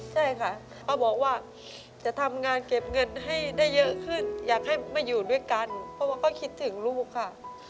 ใช่ค่ะเขาบอกว่าจะทำงานเก็บเงินให้ได้เยอะขึ้นอยากให้มาอยู่ด้วยกันเพราะว่าก็คิดถึงลูกค่ะ